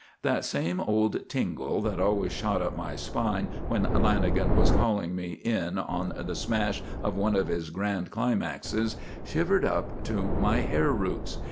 That same old tingle that always shot up my spine when Lanagan was calling me in on the smash of one of his grand climaxes, shivered up to my hair roots.